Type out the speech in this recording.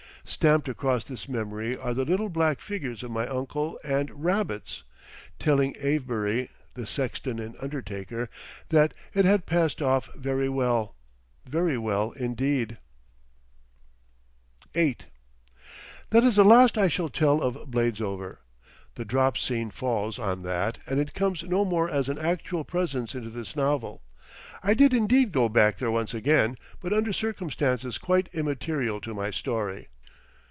Stamped across this memory are the little black figures of my uncle and Rabbits, telling Avebury, the sexton and undertaker, that "it had all passed off very well—very well indeed." VIII That is the last I shall tell of Bladesover. The dropscene falls on that, and it comes no more as an actual presence into this novel. I did indeed go back there once again, but under circumstances quite immaterial to my story.